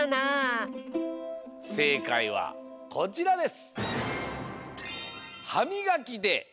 せいかいはこちらです！